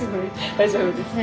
大丈夫ですか？